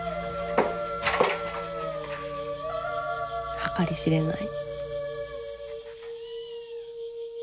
計り知れない。